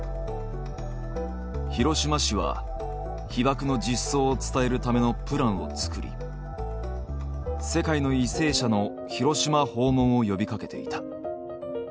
広島市は被爆の実相を伝えるためのプランを作り世界の為政者の広島訪問を呼びかけていた。